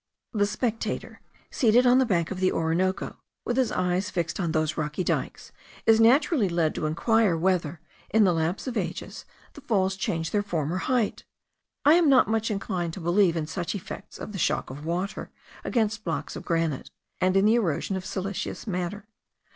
The spectator, seated on the bank of the Orinoco, with his eyes fixed on those rocky dikes, is naturally led to inquire whether, in the lapse of ages, the falls change their form or height. I am not much inclined to believe in such effects of the shock of water against blocks of granite, and in the erosion of siliceous matter.